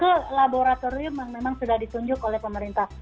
itu laboratorium yang memang sudah ditunjuk oleh pemerintah